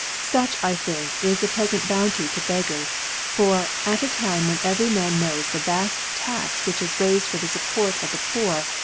Such, I think, is the prefent Bounty to Beggars \ for, at a Time when every Man knows the yaft Tax which is raifed for the Support of the Poor